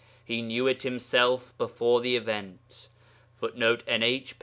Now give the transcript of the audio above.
He knew it himself before the event, [Footnote: NH, pp.